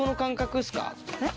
えっ？